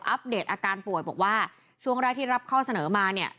เดตอาการป่วยบอกว่าช่วงแรกที่รับข้อเสนอมาเนี่ย